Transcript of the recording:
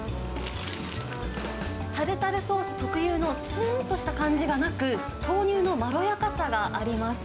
タルタルソース特有のつんとした感じがなく、豆乳のまろやかさがあります。